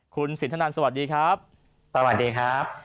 คุณสินทะนันสวัสดีครับ